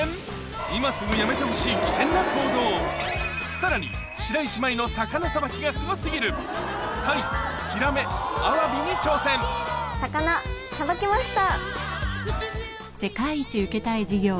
今すぐやめてほしいさらに白石麻衣の魚さばきがすご過ぎるタイヒラメアワビに挑戦魚さばきました！